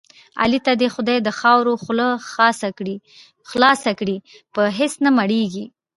علي ته دې خدای د خاورو خوله خاصه کړي په هېڅ نه مړېږي.